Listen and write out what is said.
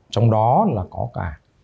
trong đó là có cả